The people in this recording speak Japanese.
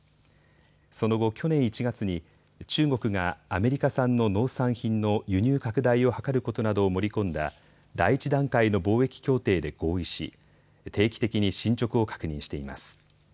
その後、去年１月に中国がアメリカ産の農産品の輸入拡大を図ることなどを盛り込んだ第１段階の貿易協定で合意し定期的に進捗を確認しています。